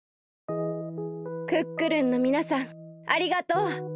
クックルンのみなさんありがとう。